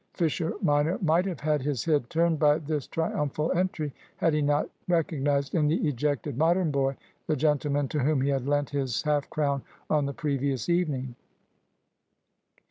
Fisher minor might have had his head turned by this triumphal entry, had he not recognised in the ejected Modern boy the gentleman to whom he had lent his half crown on the previous evening.